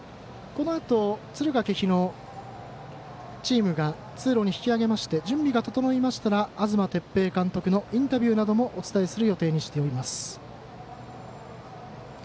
このあと敦賀気比のチームが通路に引き上げまして準備が整いましたら東哲平監督のインタビューなどもお伝えする予定にしています。